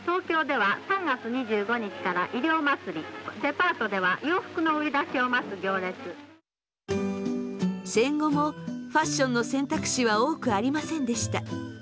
モガは姿を消し戦後もファッションの選択肢は多くありませんでした。